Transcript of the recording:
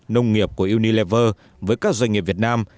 nông nghiệp của unilever với các doanh nghiệp việt nam